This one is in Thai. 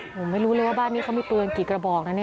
ผมไม่รู้เลยว่าบ้านนี้เขามีปืนกี่กระบอกนะเนี่ย